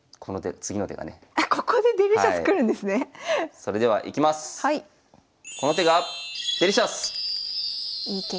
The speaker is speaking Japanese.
それではいきます！